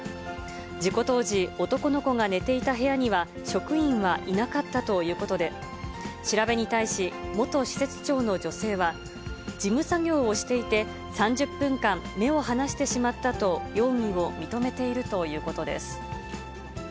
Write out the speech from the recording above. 事故当時、男の子が寝ていた部屋には、職員はいなかったということで、調べに対し元施設長の女性は、事務作業をしていて、３０分間、目を離してしまったと、容疑を認めているということです。